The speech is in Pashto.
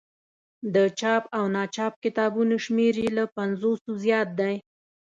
د چاپ او ناچاپ کتابونو شمېر یې له پنځوسو زیات دی.